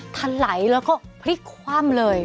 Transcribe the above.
ทะไหลแล้วก็พลิกคว่ำเลย